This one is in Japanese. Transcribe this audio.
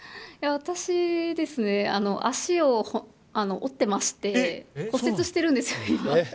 私ですね、足を折っていまして骨折してるんですよ、今。